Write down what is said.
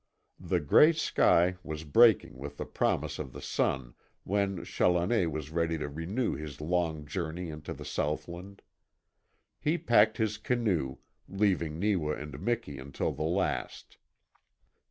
The gray sky was breaking with the promise of the sun when Challoner was ready to renew his long journey into the southland. He packed his canoe, leaving Neewa and Miki until the last.